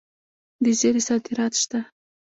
د زیرې صادرات شته.